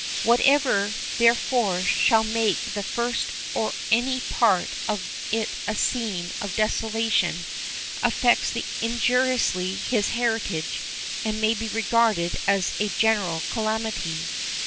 Whatever, therefore, shall make the first or any part of it a scene of desolation affects injuriously his heritage and may be regarded as a general calamity.